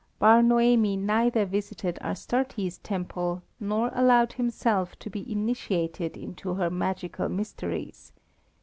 Bar Noemi neither visited Astarte's temple, nor allowed himself to be initiated into her magical mysteries.